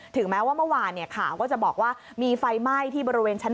แม้ว่าเมื่อวานข่าวก็จะบอกว่ามีไฟไหม้ที่บริเวณชั้น๓